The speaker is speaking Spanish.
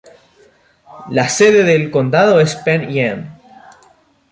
La sede del condado es Penn Yan.